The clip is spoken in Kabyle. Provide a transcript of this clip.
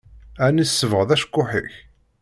Aɛni tsebɣeḍ acekkuḥ-ik?